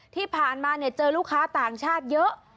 ที่ผ่านมาเจอลูกค้าต่างชาติเยอะ